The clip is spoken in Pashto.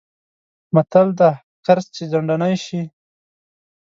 متل دی: قرض چې ځنډنی شی...